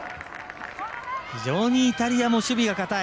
非常にイタリアも守備が堅い。